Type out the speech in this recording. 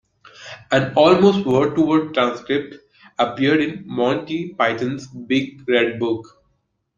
An almost word-for-word transcript appeared in "Monty Python's Big Red Book".